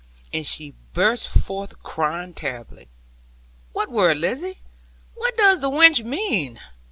And she burst forth crying terribly. 'What word, Lizzie? What does the wench mean?'